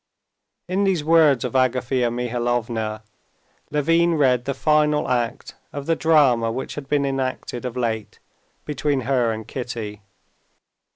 In these words of Agafea Mihalovna, Levin read the final act of the drama which had been enacted of late between her and Kitty.